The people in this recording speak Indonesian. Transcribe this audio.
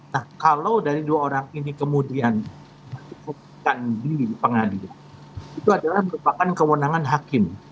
nah kalau dari dua orang ini kemudian cukupkan diri di pengadilan itu adalah merupakan kewenangan hakim